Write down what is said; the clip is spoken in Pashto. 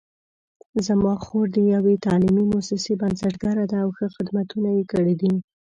زما خور د یوې تعلیمي مؤسسې بنسټګره ده او ښه خدمتونه یې کړي دي